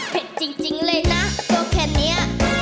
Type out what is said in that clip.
เผ็ดจริงจริงเลยนะตัวแค่เนี้ย